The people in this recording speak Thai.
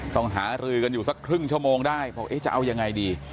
หารือกันอยู่สักครึ่งชั่วโมงได้บอกเอ๊ะจะเอายังไงดี